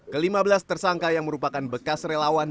kelima belas tersangka yang merupakan bekas relawan